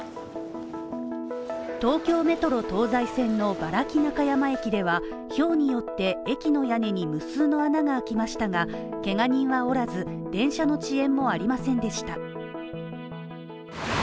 東京メトロ東西線の原木中山駅ではひょうによって、駅の屋根に無数の穴があきましたが、けが人はおらず、電車の遅延もありませんでした。